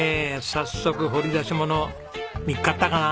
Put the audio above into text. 早速掘り出し物見っかったかな？